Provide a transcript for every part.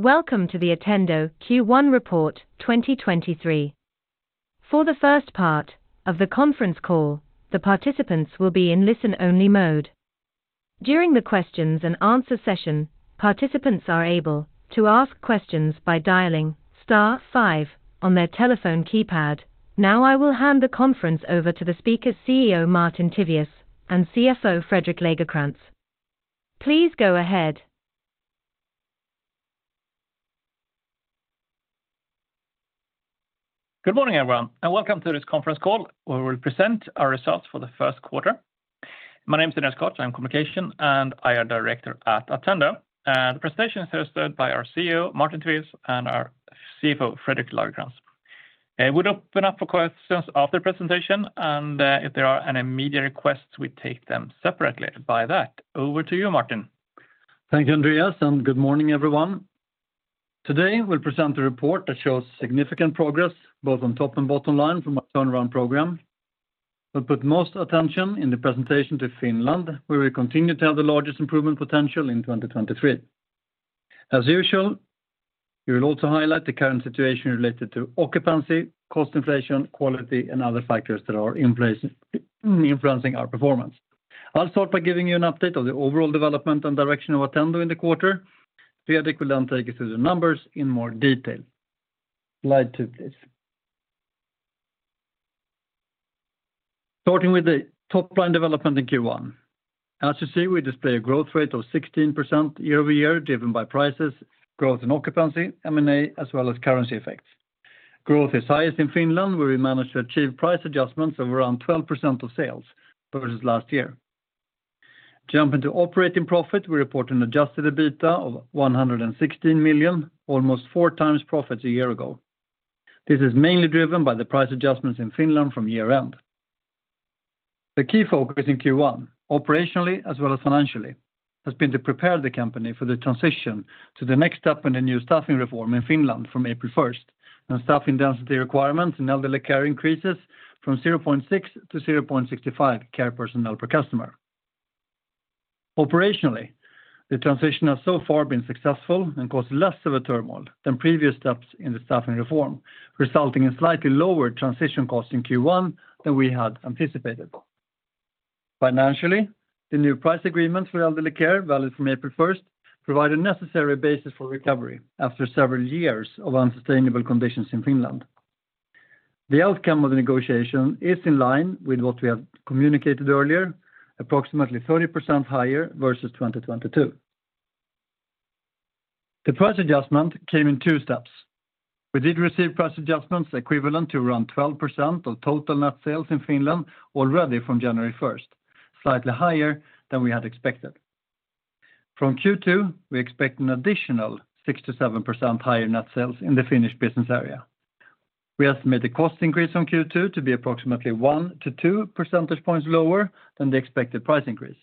Welcome to the Attendo Q1 report 2023. For the first part of the conference call, the participants will be in listen-only mode. During the questions and answer session, participants are able to ask questions by dialing star five on their telephone keypad. I will hand the conference over to the speakers CEO Martin Tivéus and CFO Fredrik Lagercrantz. Please go ahead. Good morning, everyone, and welcome to this conference call, where we'll present our results for the first quarter. My name is Andreas Koch. I'm Communication and IR Director at Attendo. The presentation is hosted by our CEO, Martin Tivéus, and our CFO, Fredrik Lagercrantz. It would open up for questions after presentation. If there are any media requests, we take them separately. By that, over to you, Martin. Thank you, Andreas. Good morning, everyone. Today, we'll present a report that shows significant progress both on top and bottom line from our turnaround program. We'll put most attention in the presentation to Finland, where we continue to have the largest improvement potential in 2023. As usual, we will also highlight the current situation related to occupancy, cost inflation, quality, and other factors that are influencing our performance. I'll start by giving you an update of the overall development and direction of Attendo in the quarter. Fredrik will take you through the numbers in more detail. Slide two, please. Starting with the top line development in Q1. You see, we display a growth rate of 16% year-over-year, driven by prices, growth in occupancy, M&A, as well as currency effects. Growth is highest in Finland, where we managed to achieve price adjustments of around 12% of sales versus last year. Jumping to operating profit, we report an adjusted EBITDA of 116 million, almost 4x profits a year ago. This is mainly driven by the price adjustments in Finland from year-end. The key focus in Q1, operationally as well as financially, has been to prepare the company for the transition to the next step in the new staffing reform in Finland from April 1st. Staffing density requirements in elderly care increases from 0.6 to 0.65 care personnel per customer. Operationally, the transition has so far been successful and caused less of a turmoil than previous steps in the staffing reform, resulting in slightly lower transition costs in Q1 than we had anticipated. Financially, the new price agreements for elderly care, valid from April 1st, provide a necessary basis for recovery after several years of unsustainable conditions in Finland. The outcome of the negotiation is in line with what we have communicated earlier, approximately 30% higher versus 2022. The price adjustment came in two steps. We did receive price adjustments equivalent to around 12% of total net sales in Finland already from January 1st, slightly higher than we had expected. From Q2, we expect an additional 6%-7% higher net sales in the Finnish business area. We estimate the cost increase on Q2 to be approximately 1 percentage-2 percentage points lower than the expected price increase.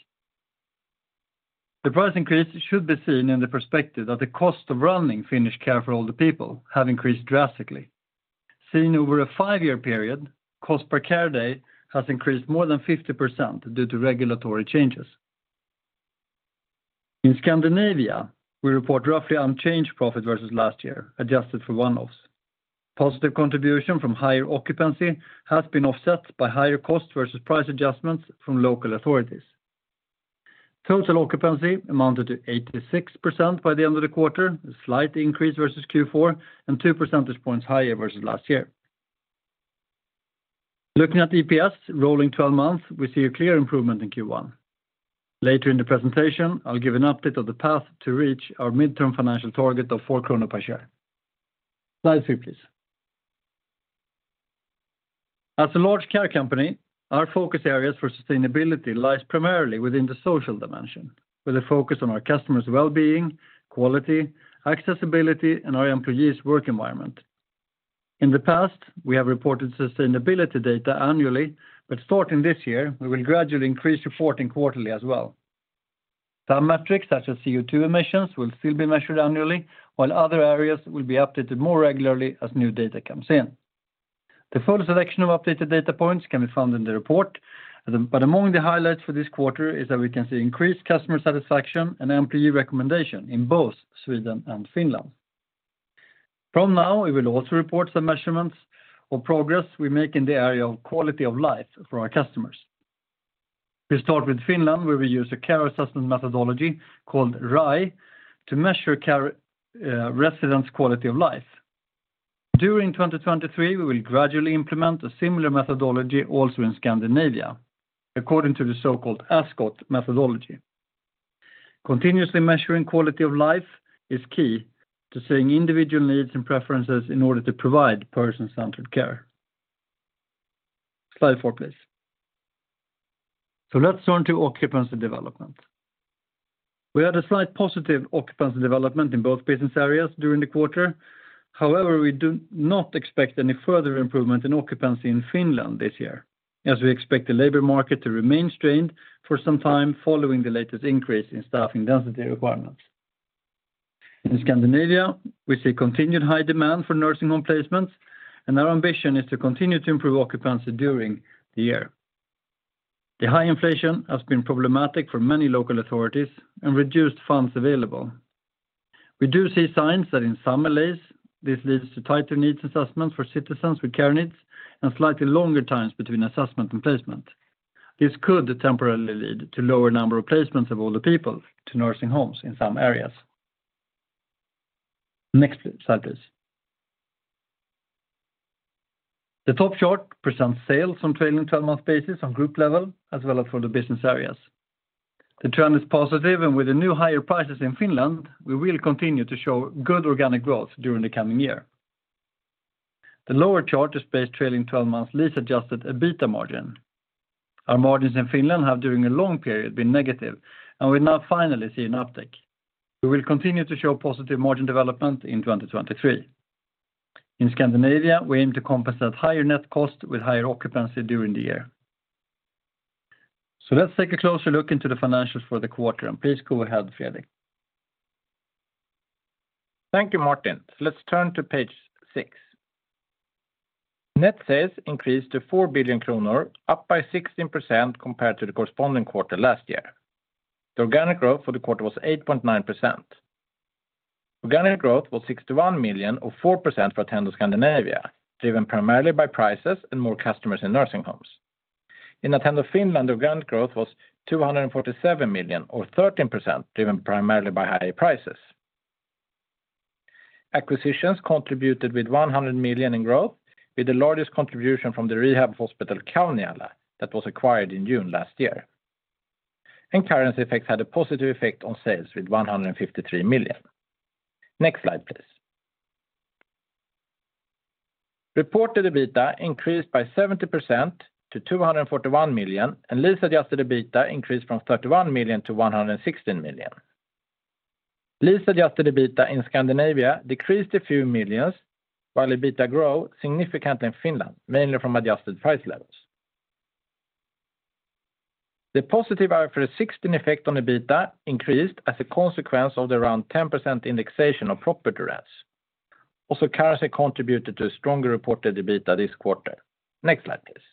The price increase should be seen in the perspective that the cost of running Finnish care for older people have increased drastically. Seen over a five-year period, cost per care day has increased more than 50% due to regulatory changes. In Scandinavia, we report roughly unchanged profit versus last year, adjusted for one-offs. Positive contribution from higher occupancy has been offset by higher costs versus price adjustments from local authorities. Total occupancy amounted to 86% by the end of the quarter, a slight increase versus Q4, and 2 percentage points higher versus last year. Looking at EPS rolling 12 months, we see a clear improvement in Q1. Later in the presentation, I'll give an update of the path to reach our midterm financial target of 4 krona per share. Slide three, please. As a large care company, our focus areas for sustainability lies primarily within the social dimension, with a focus on our customers' well-being, quality, accessibility, and our employees' work environment. In the past, we have reported sustainability data annually, but starting this year, we will gradually increase reporting quarterly as well. Some metrics, such as CO2 emissions, will still be measured annually, while other areas will be updated more regularly as new data comes in. The full selection of updated data points can be found in the report. Among the highlights for this quarter is that we can see increased customer satisfaction and employee recommendation in both Sweden and Finland. From now, we will also report some measurements of progress we make in the area of quality of life for our customers. We start with Finland, where we use a care assessment methodology called RAI to measure care, residents' quality of life. During 2023, we will gradually implement a similar methodology also in Scandinavia, according to the so-called ASCOT methodology. Continuously measuring quality of life is key to seeing individual needs and preferences in order to provide person-centered care. Slide four, please. Let's turn to occupancy development. We had a slight positive occupancy development in both business areas during the quarter. However, we do not expect any further improvement in occupancy in Finland this year, as we expect the labor market to remain strained for some time following the latest increase in staffing density requirements. In Scandinavia, we see continued high demand for nursing home placements, and our ambition is to continue to improve occupancy during the year. The high inflation has been problematic for many local authorities and reduced funds available. We do see signs that in some areas this leads to tighter needs assessment for citizens with care needs and slightly longer times between assessment and placement. This could temporarily lead to lower number of placements of older people to nursing homes in some areas. Next slide, please. The top chart presents sales on trailing 12-month basis on group level as well as for the business areas. The trend is positive, and with the new higher prices in Finland, we will continue to show good organic growth during the coming year. The lower chart displays trailing 12-month lease-adjusted EBITDA margin. Our margins in Finland have, during a long period, been negative, and we now finally see an uptick. We will continue to show positive margin development in 2023. In Scandinavia, we aim to compensate higher net cost with higher occupancy during the year. Let's take a closer look into the financials for the quarter. Please go ahead, Fredrik. Thank you, Martin. Let's turn to page six. Net sales increased to 4 billion kronor, up by 16% compared to the corresponding quarter last year. The organic growth for the quarter was 8.9%. Organic growth was 61 million or 4% for Attendo Scandinavia, driven primarily by prices and more customers in nursing homes. In Attendo Finland, organic growth was 247 million or 13%, driven primarily by high prices. Acquisitions contributed with 100 million in growth, with the largest contribution from the rehab hospital Kauniala that was acquired in June last year. Currency effects had a positive effect on sales with 153 million. Next slide, please. Reported EBITDA increased by 70% to 241 million, and lease-adjusted EBITDA increased from 31 million-116 million. Lease-adjusted EBITDA in Scandinavia decreased a few millions, while EBITDA grow significantly in Finland, mainly from adjusted price levels. The positive IFRS 16 effect on EBITDA increased as a consequence of the around 10% indexation of property rents. Also, currency contributed to a stronger reported EBITDA this quarter. Next slide, please.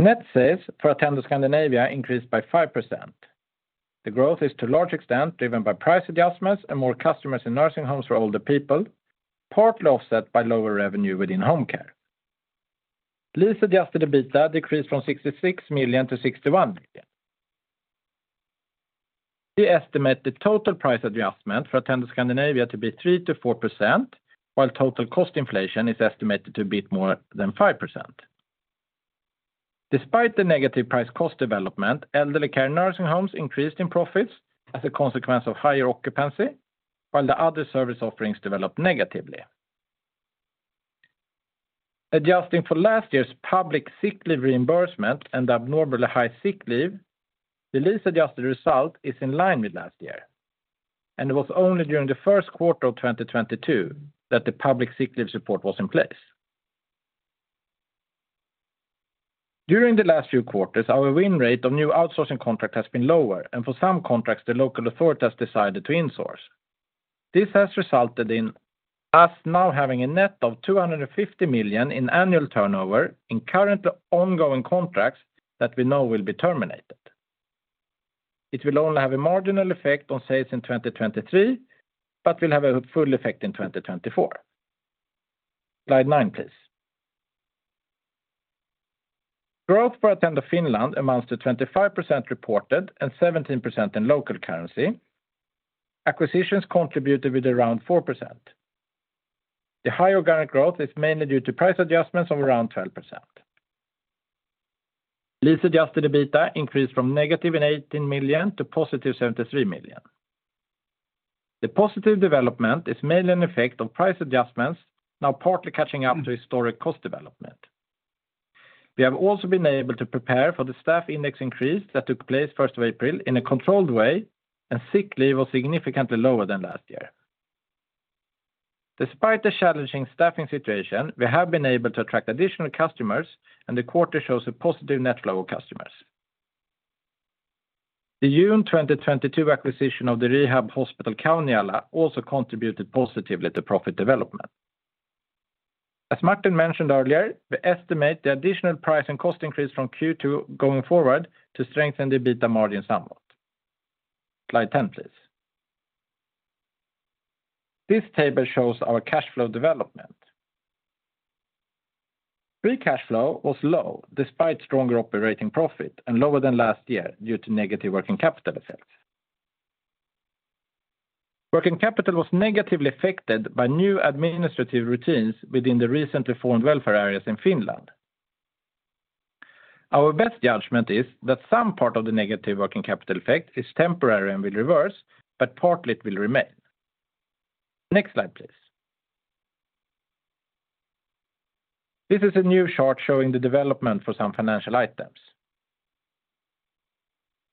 The net sales for Attendo Scandinavia increased by 5%. The growth is to a large extent driven by price adjustments and more customers in nursing homes for older people, partly offset by lower revenue within home care. Lease-adjusted EBITDA decreased from 66 million-61 million. We estimate the total price adjustment for Attendo Scandinavia to be 3%-4%, while total cost inflation is estimated to be more than 5%. Despite the negative price-cost development, elderly care nursing homes increased in profits as a consequence of higher occupancy, while the other service offerings developed negatively. Adjusting for last year's public sick leave reimbursement and abnormally high sick leave, the lease-adjusted result is in line with last year. It was only during the first quarter of 2022 that the public sick leave support was in place. During the last few quarters, our win rate of new outsourcing contract has been lower, and for some contracts, the local authority has decided to insource. This has resulted in us now having a net of 250 million in annual turnover in currently ongoing contracts that we know will be terminated. It will only have a marginal effect on sales in 2023, but will have a full effect in 2024. Slide nine, please. Growth for Attendo Finland amounts to 25% reported and 17% in local currency. Acquisitions contributed with around 4%. The higher organic growth is mainly due to price adjustments of around 12%. Lease-adjusted EBITDA increased from -18 million to +73 million. The positive development is mainly an effect of price adjustments now partly catching up to historic cost development. We have also been able to prepare for the staff index increase that took place 1st of April in a controlled way, and sick leave was significantly lower than last year. Despite the challenging staffing situation, we have been able to attract additional customers, and the quarter shows a positive net flow of customers. The June 2022 acquisition of the rehab hospital Kauniala also contributed positively to profit development. As Martin mentioned earlier, we estimate the additional price and cost increase from Q2 going forward to strengthen the EBITDA margin somewhat. Slide 10, please. This table shows our cash flow development. Free cash flow was low despite stronger operating profit and lower than last year due to negative working capital effects. Working capital was negatively affected by new administrative routines within the recently formed welfare areas in Finland. Our best judgment is that some part of the negative working capital effect is temporary and will reverse, but partly it will remain. Next slide, please. This is a new chart showing the development for some financial items.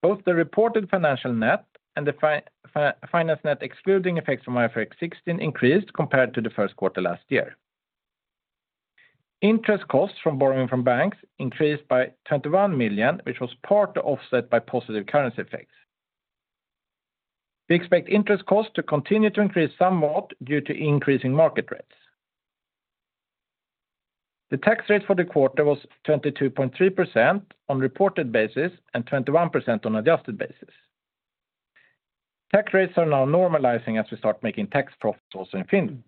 Both the reported financial net and the finance net excluding effects from IFRS 16 increased compared to the first quarter last year. Interest costs from borrowing from banks increased by 21 million, which was partly offset by positive currency effects. We expect interest costs to continue to increase somewhat due to increasing market rates. The tax rate for the quarter was 22.3% on reported basis and 21% on adjusted basis. Tax rates are now normalizing as we start making tax profits also in Finland.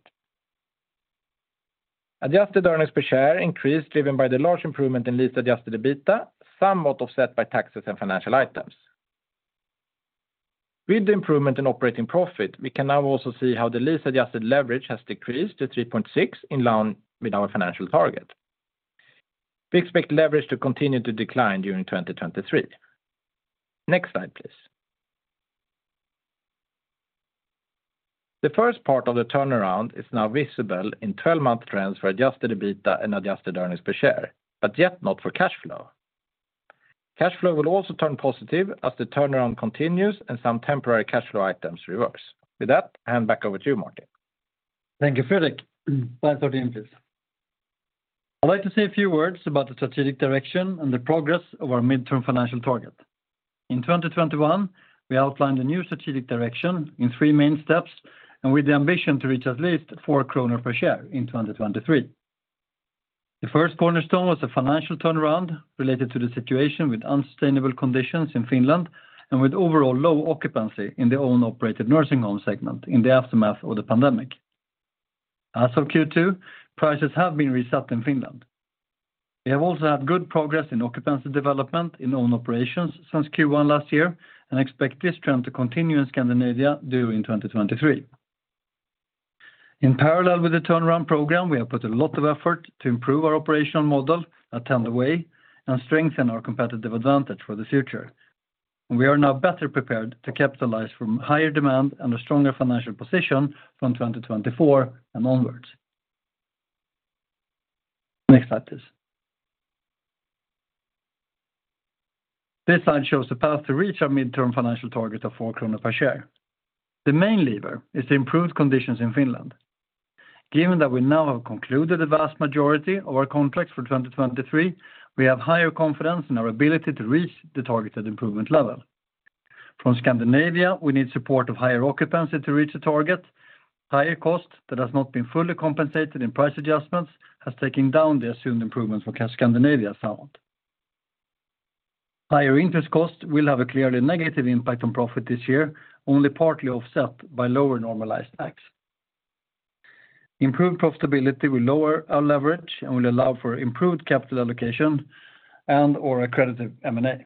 Adjusted earnings per share increased driven by the large improvement in lease-adjusted EBITDA, somewhat offset by taxes and financial items. With the improvement in operating profit, we can now also see how the lease-adjusted leverage has decreased to 3.6 in line with our financial target. We expect leverage to continue to decline during 2023. Next slide, please. The first part of the turnaround is now visible in 12-month trends for adjusted EBITDA and adjusted earnings per share, but yet not for cash flow. Cash flow will also turn positive as the turnaround continues and some temporary cash flow items reverse. With that, I hand back over to you, Martin. Thank you, Fredrik. Slide 13, please. I'd like to say a few words about the strategic direction and the progress of our midterm financial target. In 2021, we outlined a new strategic direction in three main steps, and with the ambition to reach at least 4 kronor per share in 2023. The first cornerstone was a financial turnaround related to the situation with unsustainable conditions in Finland and with overall low occupancy in the own operated nursing home segment in the aftermath of the pandemic. As of Q2, prices have been reset in Finland. We have also had good progress in occupancy development in own operations since Q1 last year, and expect this trend to continue in Scandinavia during 2023. In parallel with the turnaround program, we have put a lot of effort to improve our operational model at Attendo Way and strengthen our competitive advantage for the future. We are now better prepared to capitalize from higher demand and a stronger financial position from 2024 and onwards. Next slide, please. This slide shows the path to reach our midterm financial target of 4 kronor per share. The main lever is the improved conditions in Finland. Given that we now have concluded the vast majority of our contracts for 2023, we have higher confidence in our ability to reach the targeted improvement level. From Scandinavia, we need support of higher occupancy to reach the target. Higher cost that has not been fully compensated in price adjustments has taken down the assumed improvements for Scandinavia somewhat. Higher interest costs will have a clearly negative impact on profit this year, only partly offset by lower normalized tax. Improved profitability will lower our leverage and will allow for improved capital allocation and/or accredited M&A.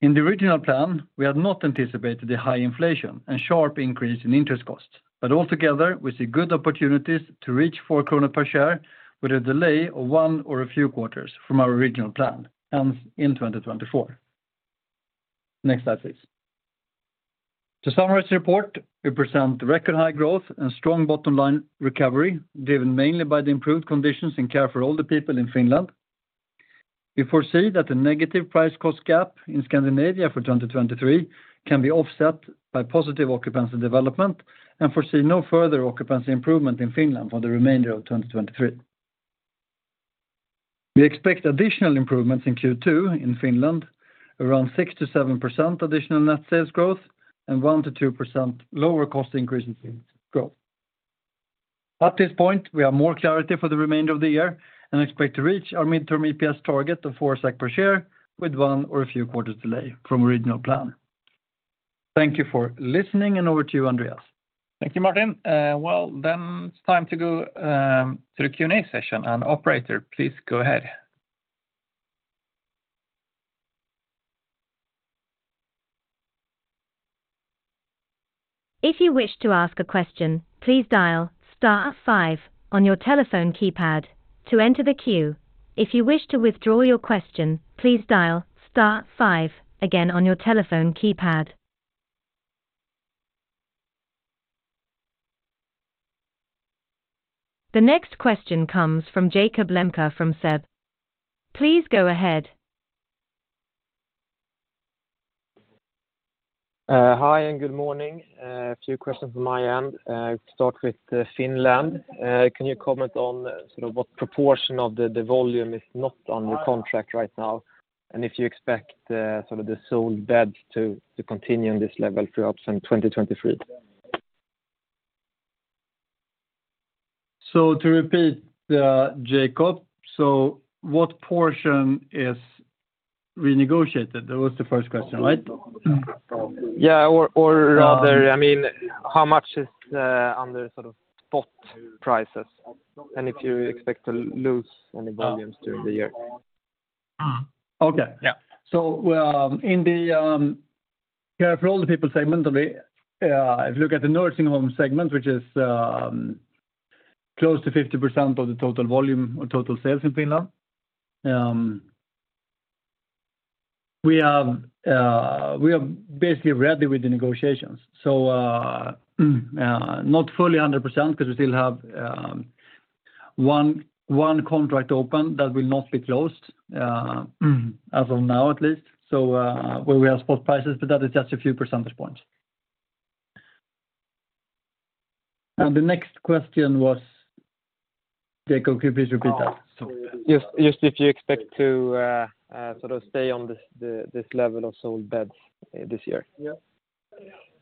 In the original plan, we had not anticipated the high inflation and sharp increase in interest costs. Altogether, we see good opportunities to reach 4 krona per share with a delay of one or a few quarters from our original plan, hence in 2024. Next slide, please. To summarize the report, we present the record high growth and strong bottom line recovery, driven mainly by the improved conditions in care for older people in Finland. We foresee that the negative price cost gap in Scandinavia for 2023 can be offset by positive occupancy development, and foresee no further occupancy improvement in Finland for the remainder of 2023. We expect additional improvements in Q2 in Finland, around 6%-7% additional net sales growth, and 1%-2% lower cost increase in growth. At this point, we have more clarity for the remainder of the year and expect to reach our mid-term EPS target of 4 SEK per share with one or a few quarters delay from original plan. Thank you for listening, and over to you, Andreas. Thank you, Martin. Well, then it's time to go to the Q&A session. Operator, please go ahead. If you wish to ask a question, please dial star five on your telephone keypad to enter the queue. If you wish to withdraw your question, please dial star five again on your telephone keypad. The next question comes from Jakob Lembke from SEB. Please go ahead. Hi, and good morning. A few questions from my end. Start with Finland. Can you comment on sort of what proportion of the volume is not under contract right now, and if you expect the sort of the sold beds to continue on this level through ups in 2023? To repeat, Jakob, so what portion is renegotiated? That was the first question, right? Yeah. Rather, I mean, how much is under sort of spot prices, and if you expect to lose any volumes during the year? Okay. Yeah. In the care for older people segment only, if you look at the nursing home segment, which is close to 50% of the total volume or total sales in Finland, we are basically ready with the negotiations. Not fully 100% because we still have one contract open that will not be closed as of now at least. Where we have spot prices, but that is just a few percentage points. The next question was, Jakob, could you please repeat that? Just if you expect to sort of stay on this level of sold beds this year? Yeah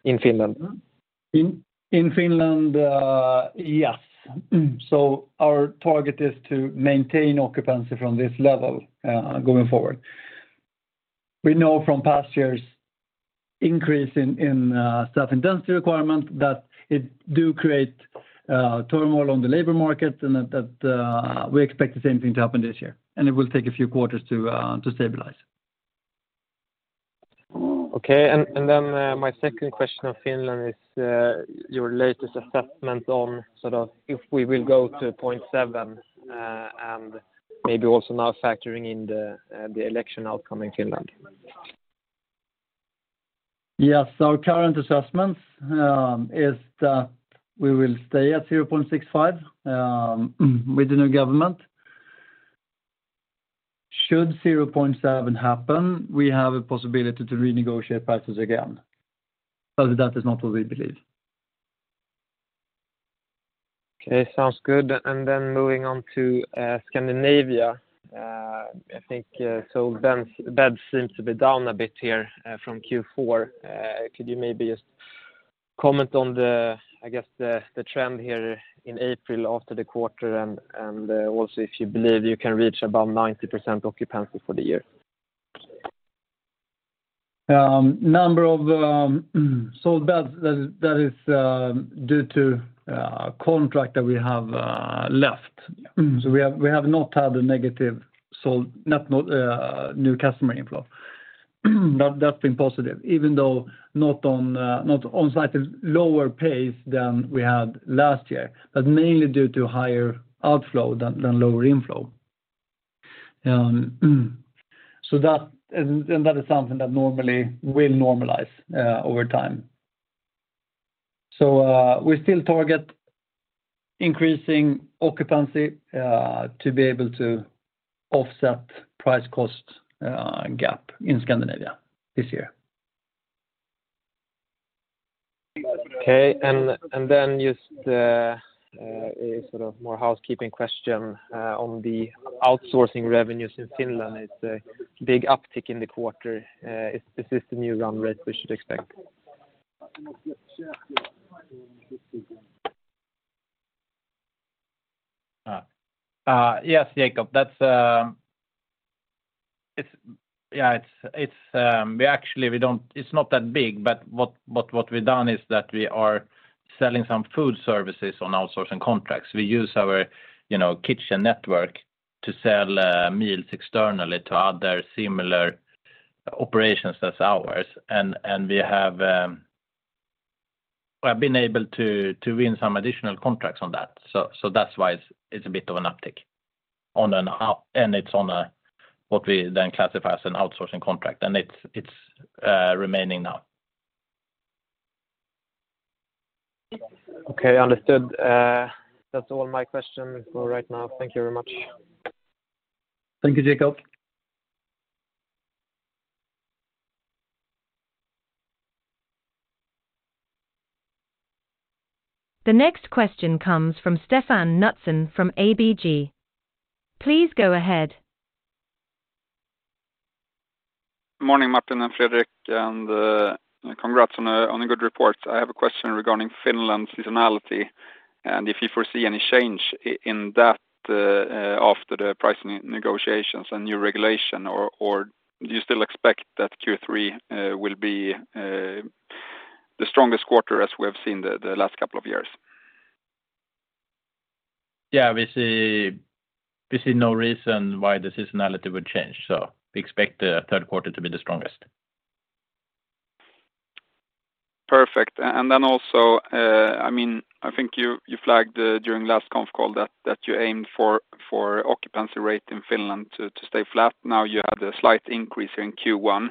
In Finland. In Finland, yes. Our target is to maintain occupancy from this level going forward. We know from past years increase in staff intensity requirement that it do create turmoil on the labor market, and that we expect the same thing to happen this year, and it will take a few quarters to stabilize. Okay. Then, my second question on Finland is, your latest assessment on sort of if we will go to 0.7, and maybe also now factoring in the election outcome in Finland. Yes. Our current assessment, is that we will stay at 0.65 with the new government. Should 0.7 happen, we have a possibility to renegotiate prices again, but that is not what we believe. Okay. Sounds good. Moving on to Scandinavia. I think beds seems to be down a bit here from Q4. Could you maybe just comment on the, I guess the trend here in April after the quarter and also if you believe you can reach about 90% occupancy for the year? Number of sold beds that is due to a contract that we have left. We have not had a negative new customer inflow. That's been positive even though not on slightly lower pace than we had last year, but mainly due to higher outflow than lower inflow. That is something that normally will normalize over time. We still target increasing occupancy to be able to offset price cost gap in Scandinavia this year. Okay. Just a sort of more housekeeping question, on the outsourcing revenues in Finland. It's a big uptick in the quarter. Is this the new run rate we should expect? Yes, Jakob. That's. It's. Yeah, it's. We actually, we don't. It's not that big, but what we've done is that we are selling some food services on outsourcing contracts. We use our, you know, kitchen network to sell meals externally to other similar operations as ours. We have been able to win some additional contracts on that. That's why it's a bit of an uptick. And it's on a what we then classify as an outsourcing contract, and it's remaining now. Okay. Understood. That's all my questions for right now. Thank you very much. Thank you, Jakob. The next question comes from Stefan Knutsson from ABG. Please go ahead. Morning, Martin and Fredrik, and congrats on a good report. I have a question regarding Finland seasonality and if you foresee any change in that after the pricing negotiations and new regulation, or do you still expect that Q3 will be the strongest quarter as we have seen the last couple of years? Yeah, we see no reason why the seasonality would change. We expect the third quarter to be the strongest. Perfect. Then also, I mean, I think you flagged during last conf call that you aimed for occupancy rate in Finland to stay flat. Now you had a slight increase in Q1,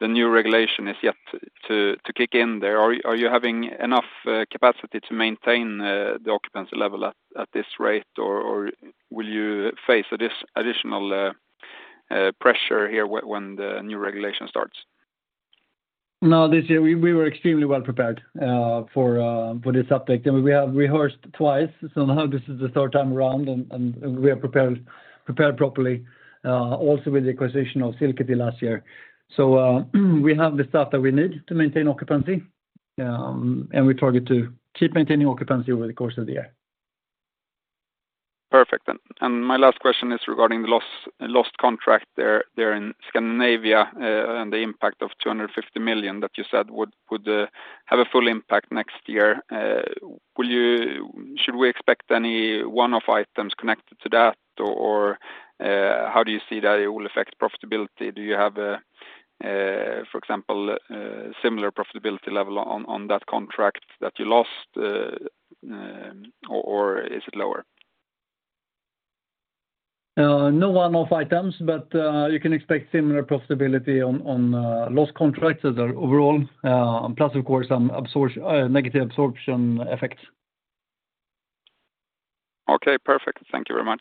the new regulation is yet to kick in there. Are you having enough capacity to maintain the occupancy level at this rate or will you face additional pressure here when the new regulation starts? No, this year we were extremely well prepared for this uptake. I mean, we have rehearsed twice. Somehow this is the third time around, and we are prepared properly, also with the acquisition of Silkkitie last year. We have the staff that we need to maintain occupancy, and we target to keep maintaining occupancy over the course of the year. Perfect. My last question is regarding the lost contract there in Scandinavia, and the impact of 250 million that you said would have a full impact next year. Should we expect any one of items connected to that or, how do you see that it will affect profitability? Do you have a, for example, similar profitability level on that contract that you lost? Or is it lower? No one of items, but you can expect similar profitability on lost contracts as our overall, plus of course some absorption, negative absorption effects. Okay, perfect. Thank you very much.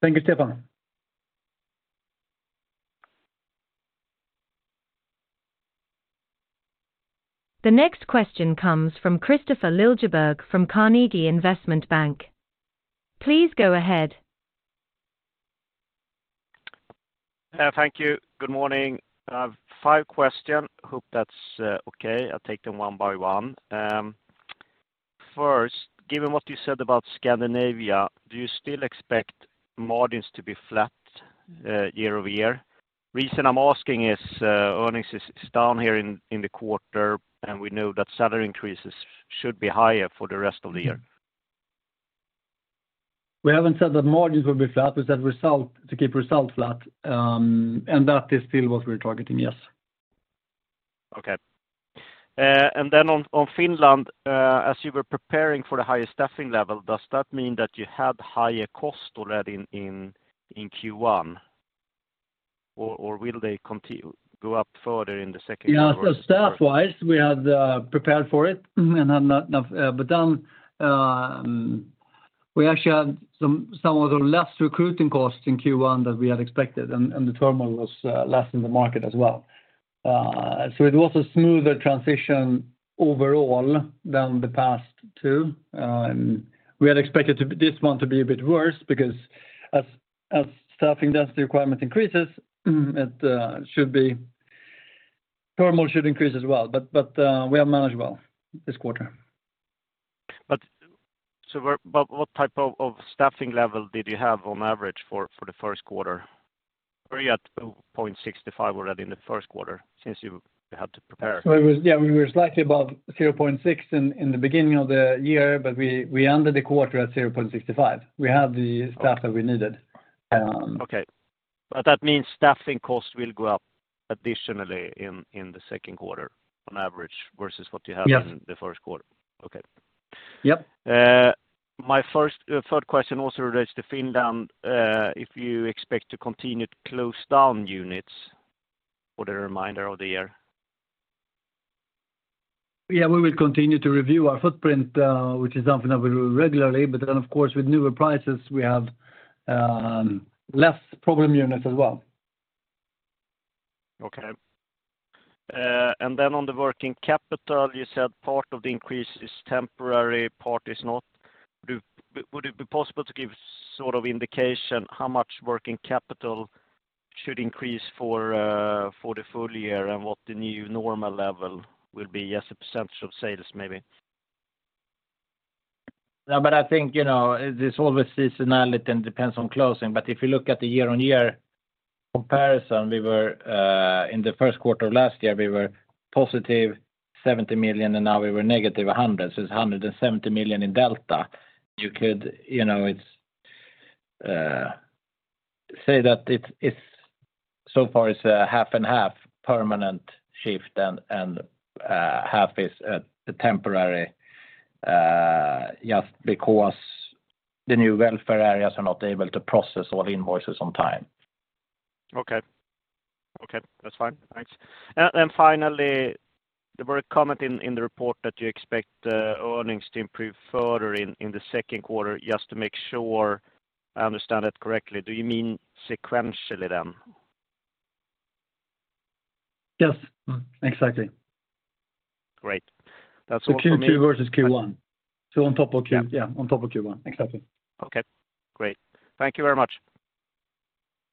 Thank you, Stefan. The next question comes from Kristofer Liljeberg from Carnegie Investment Bank. Please go ahead. Thank you. Good morning. I have five question. Hope that's okay. I'll take them one by one. First, given what you said about Scandinavia, do you still expect margins to be flat year-over-year? Reason I'm asking is, earnings is down here in the quarter, and we know that salary increases should be higher for the rest of the year. We haven't said that margins will be flat. We said result, to keep results flat. That is still what we're targeting, yes. On Finland, as you were preparing for the higher staffing level, does that mean that you had higher cost already in Q1? Or will they go up further in the second quarter? Yeah. Staff-wise, we had prepared for it, and have not, but then, we actually had some less recruiting costs in Q1 than we had expected, and the turnover was less in the market as well. It was a smoother transition overall than the past two. We had expected this one to be a bit worse because as staffing density requirement increases, it. Turnover should increase as well, but we have managed well this quarter. Where... What type of staffing level did you have on average for the first quarter? Were you at 2.65 already in the first quarter since you had to prepare? Yeah, we were slightly above 0.6 in the beginning of the year, but we ended the quarter at 0.65. We had the staff that we needed. Okay. That means staffing costs will go up additionally in the second quarter on average versus what you have- Yes in the first quarter. Okay. Yep. My first, third question also relates to Finland, if you expect to continue to close down units for the remainder of the year? We will continue to review our footprint, which is something that we do regularly. Of course, with newer prices, we have less problem units as well. Okay. On the working capital, you said part of the increase is temporary, part is not. Would it be possible to give sort of indication how much working capital should increase for the full year and what the new normal level will be as a percentage of sales maybe? I think, you know, there's always seasonality and depends on closing. If you look at the year-on-year comparison, we were in the first quarter of last year, we were +70 million, and now we were -100 million. It's 170 million in delta. You could, you know, say that it's so far it's half and half permanent shift and half is a temporary just because the new welfare areas are not able to process all invoices on time. Okay. Okay, that's fine. Thanks. Finally, there were a comment in the report that you expect earnings to improve further in the second quarter. Just to make sure I understand that correctly, do you mean sequentially then? Yes. Exactly. Great. That's all for me. Q2 versus Q1. On top of. Yeah. Yeah, on top of Q1. Exactly. Okay, great. Thank Thank you very much.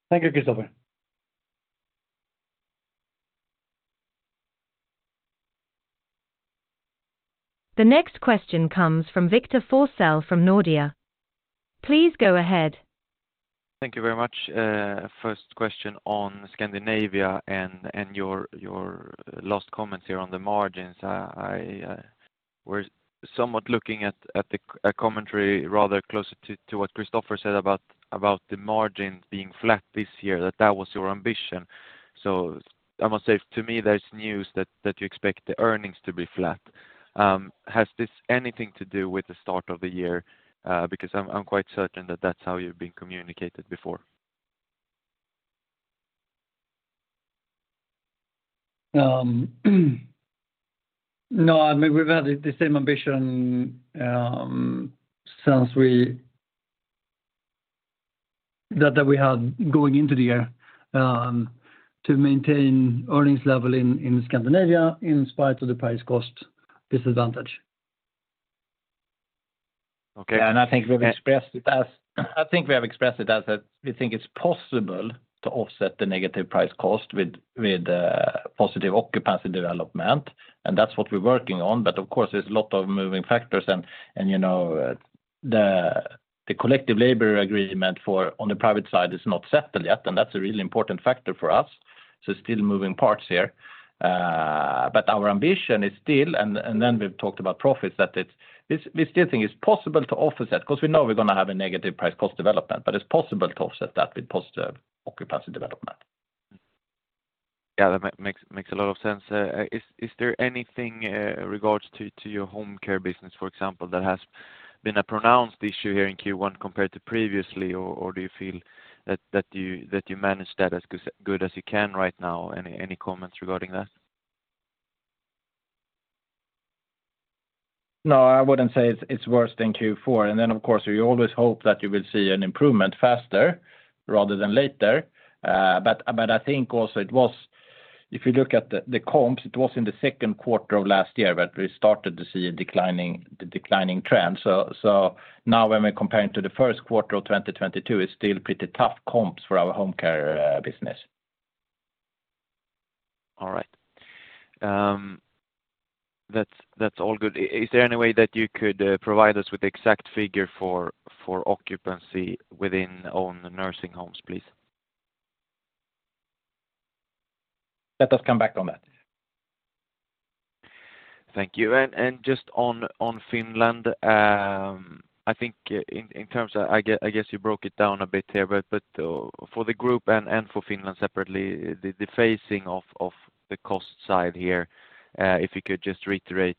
Thank you, Kristofer. The next question comes from Victor Forssell from Nordea. Please go ahead. Thank you very much. First question on Scandinavia and your last comments here on the margins. I was somewhat looking at the commentary rather closer to what Kristofer said about the margins being flat this year, that that was your ambition. I must say to me that it's news that you expect the earnings to be flat. Has this anything to do with the start of the year? Because I'm quite certain that that's how you've been communicated before. No, I mean, we've had the same ambition, since we had going into the year, to maintain earnings level in Scandinavia in spite of the price cost disadvantage. Okay. I think we have expressed it as that we think it's possible to offset the negative price cost with positive occupancy development, and that's what we're working on. Of course, there's a lot of moving factors and, you know, the collective labor agreement for, on the private side is not settled yet, and that's a really important factor for us. Still moving parts here. Our ambition is still, and then we've talked about profits, that it's, we still think it's possible to offset because we know we're gonna have a negative price cost development, but it's possible to offset that with positive occupancy development. Yeah, that makes a lot of sense. Is there anything regards to your home care business, for example, that has been a pronounced issue here in Q1 compared to previously? Or do you feel that you manage that as good as you can right now? Any comments regarding that? No, I wouldn't say it's worse than Q4. Of course, you always hope that you will see an improvement faster rather than later. But, but I think also if you look at the comps, it was in the second quarter of last year that we started to see a declining trend. Now when we're comparing to the first quarter of 2022, it's still pretty tough comps for our home care business. All right. That's all good. Is there any way that you could provide us with the exact figure for occupancy within own nursing homes, please? Let us come back on that. Thank you. Just on Finland, I think I guess you broke it down a bit here, but for the group and for Finland separately, the phasing of the cost side here, if you could just reiterate,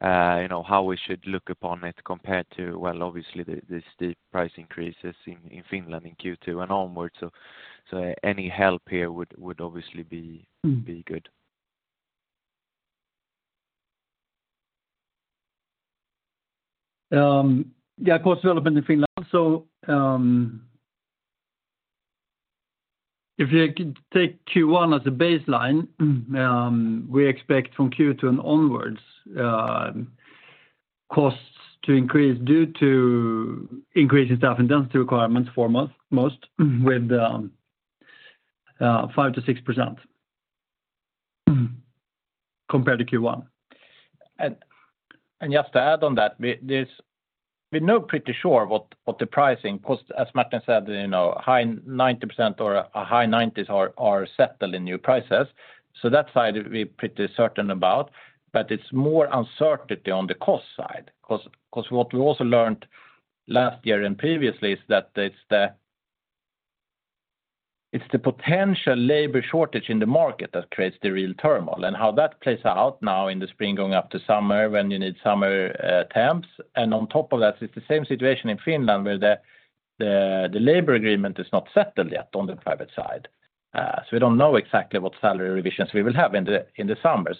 you know, how we should look upon it compared to, well, obviously the steep price increases in Finland in Q2 and onwards. Any help here would obviously be. Mm. Be good. Yeah, cost development in Finland. If you could take Q1 as a baseline, we expect from Q2 and onwards, costs to increase due to increase in staff intensity requirements for most with 5%-6% compared to Q1. Just to add on that, we know pretty sure what the pricing cost. As Martin said, you know, high 90% or a high 90s are settled in new prices. That side we're pretty certain about, but it's more uncertainty on the cost side. What we also learned last year and previously is that it's the potential labor shortage in the market that creates the real turmoil. How that plays out now in the spring going up to summer when you need summer temps. On top of that, it's the same situation in Finland, where the labor agreement is not settled yet on the private side. We don't know exactly what salary revisions we will have in the summer.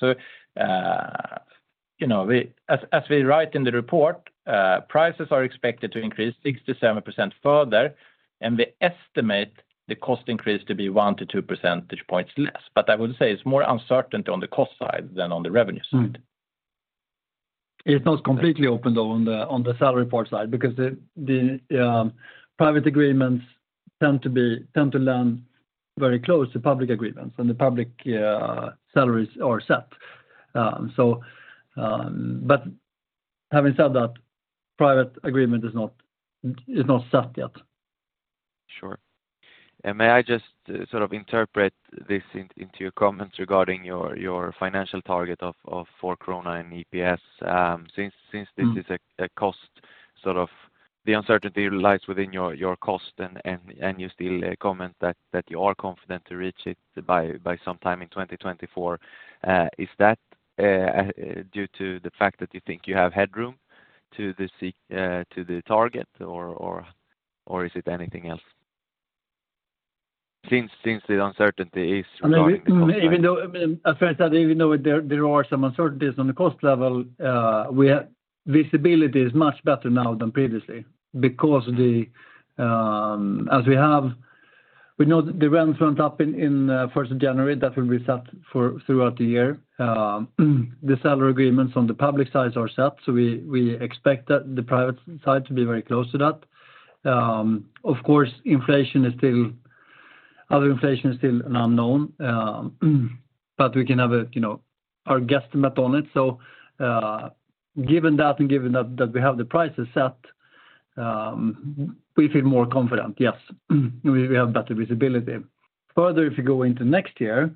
You know, as we write in the report, prices are expected to increase 6%-7% further, and we estimate the cost increase to be 1 percentage-2 percentage points less. I would say it's more uncertain on the cost side than on the revenue side. It's not completely open, though, on the, on the salary part side, because the, private agreements tend to land very close to public agreements, and the public, salaries are set. Having said that, private agreement is not set yet. Sure. May I just sort of interpret this into your comments regarding your financial target of 4 krona in EPS? Since this is a cost, sort of the uncertainty lies within your cost and you still comment that you are confident to reach it by sometime in 2024. Is that due to the fact that you think you have headroom to the target? Or is it anything else? Since the uncertainty is regarding the cost side. Even though as Fred said, even though there are some uncertainties on the cost level, visibility is much better now than previously because the we know the rents went up in first of January. That will be set for throughout the year. The salary agreements on the public side are set, so we expect the private side to be very close to that. Of course, other inflation is still an unknown, but we can have a, you know, our guesstimate on it. Given that and that we have the prices set, we feel more confident, yes. We have better visibility. Further, if you go into next year,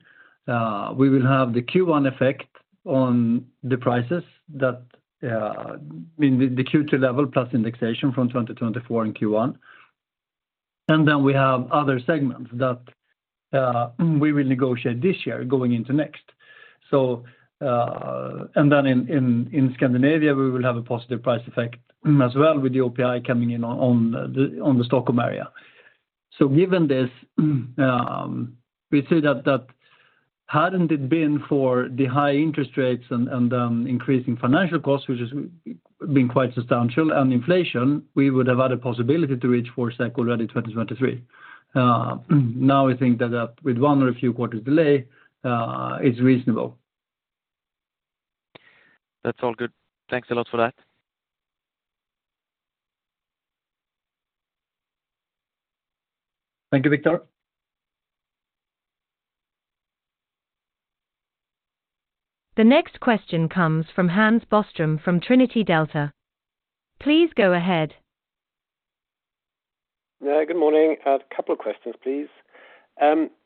we will have the Q1 effect on the prices that, in the Q2 level plus indexation from 2024 in Q1. We have other segments that, we will negotiate this year going into next. In Scandinavia, we will have a positive price effect as well with the OPI coming in on the, on the Stockholm area. Given this, we see that hadn't it been for the high interest rates and, increasing financial costs, which has been quite substantial, and inflation, we would have had a possibility to reach 4 SEK already in 2023. We think that, with one or a few quarters delay, is reasonable. That's all good. Thanks a lot for that. Thank you, Victor. The next question comes from Hans Bostrom from Trinity Delta. Please go ahead. Yeah, good morning. A couple of questions, please.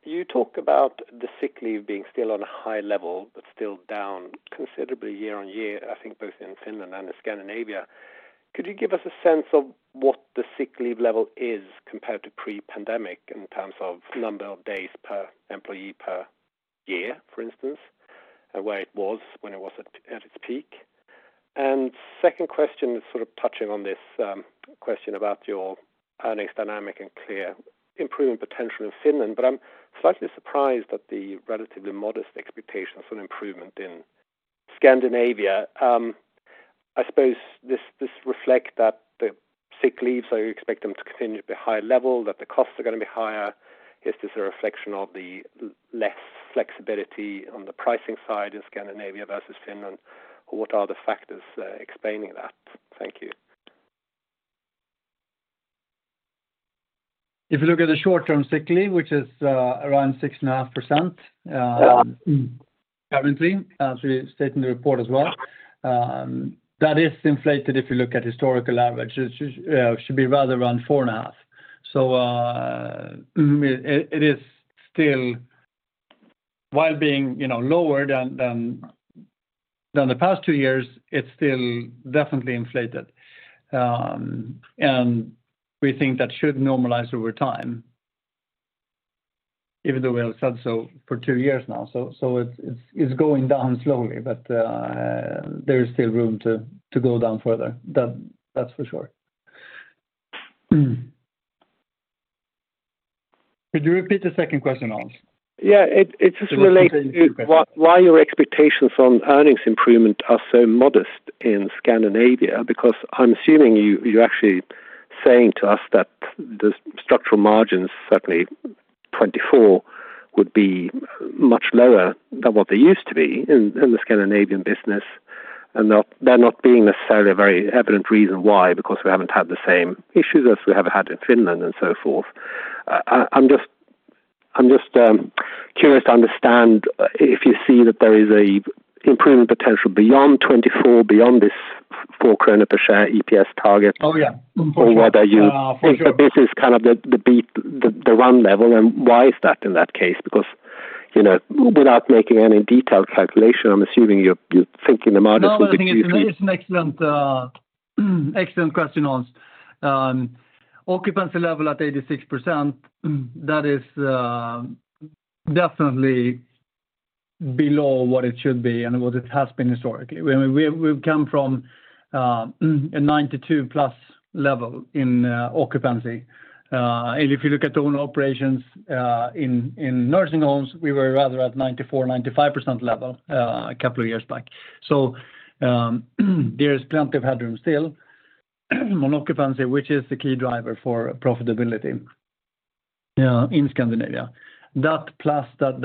You talk about the sick leave being still on a high level, but still down considerably year-over-year, I think both in Finland and in Scandinavia. Could you give us a sense of what the sick leave level is compared to pre-pandemic in terms of number of days per employee per year, for instance? Where it was when it was at its peak? Second question is sort of touching on this question about your earnings dynamic and clear improvement potential in Finland. I'm slightly surprised at the relatively modest expectations for an improvement in Scandinavia. I suppose this reflect that the sick leaves, so you expect them to continue at the high level, that the costs are gonna be higher. Is this a reflection of the less flexibility on the pricing side in Scandinavia versus Finland? What are the factors explaining that? Thank you. If you look at the short-term sick leave, which is around 6.5%, currently, as we state in the report as well, that is inflated if you look at historical averages. It should be rather around 4.5%. It is still while being, you know, lower than the past two years, it's still definitely inflated. We think that should normalize over time, even though we have said so for two years now. It's going down slowly, but there is still room to go down further. That's for sure. Could you repeat the second question, Hans? Yeah. It just relates- There was two questions. Why your expectations on earnings improvement are so modest in Scandinavia because I'm assuming you're actually saying to us that the structural margins, certainly 2024, would be much lower than what they used to be in the Scandinavian business, and they're not being necessarily a very evident reason why because we haven't had the same issues as we have had in Finland and so forth. I'm just curious to understand if you see that there is an improvement potential beyond 2024, beyond this 4 krona per share EPS target? Oh, yeah. Whether you- For sure. Think that this is kind of the beat, the run level, why is that in that case? You know, without making any detailed calculation, I'm assuming you're thinking the model would be. No. I think it's an excellent question, Hans. Occupancy level at 86%, that is definitely below what it should be and what it has been historically. We've come from a 92+ level in occupancy. And if you look at owner operations in nursing homes, we were rather at 94%, 95% level a couple of years back. There is plenty of headroom still on occupancy, which is the key driver for profitability in Scandinavia. That plus that,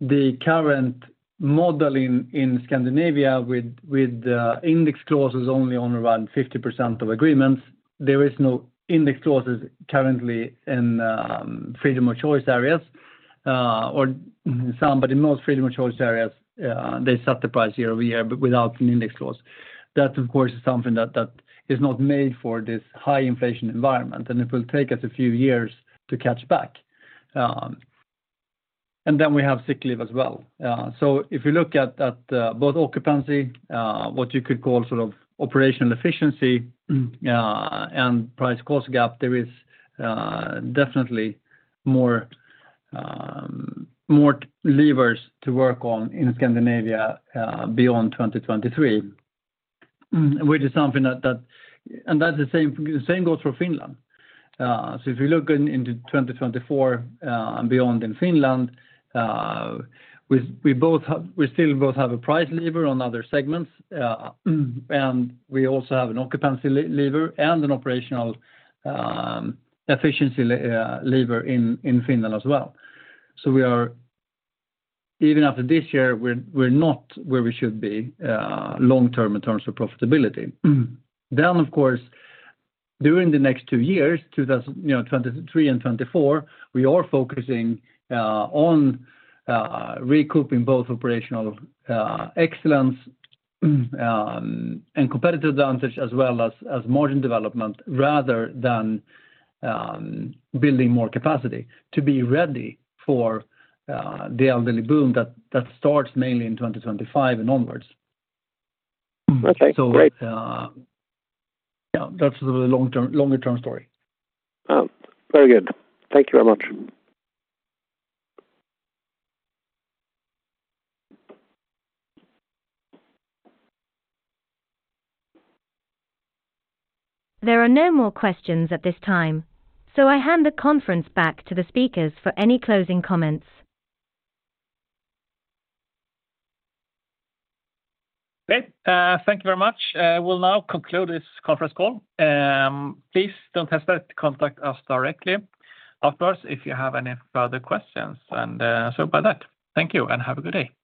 the current model in Scandinavia with index clauses only on around 50% of agreements, there is no index clauses currently in freedom of choice areas, or some, but in most freedom of choice areas, they set the price year over year, but without an index clause. That, of course, is something that is not made for this high inflation environment, and it will take us a few years to catch back. Then we have sick leave as well. If you look at both occupancy, what you could call sort of operational efficiency, and price cost gap, there is definitely more levers to work on in Scandinavia, beyond 2023, which is something that. That's the same, the same goes for Finland. If you look into 2024, and beyond in Finland, we still both have a price lever on other segments, and we also have an occupancy lever and an operational efficiency lever in Finland as well. We are even after this year, we're not where we should be long term in terms of profitability. Of course, during the next two years, 2023 and 2024, we are focusing on recouping both operational excellence and competitive advantage as well as margin development rather than building more capacity to be ready for the elderly boom that starts mainly in 2025 and onwards. Okay. Great. Yeah, that's the long-term, longer-term story. Very good. Thank you very much. There are no more questions at this time, so I hand the conference back to the speakers for any closing comments. Great. Thank you very much. We'll now conclude this conference call. Please don't hesitate to contact us directly afterwards if you have any further questions. So with that, thank you and have a good day.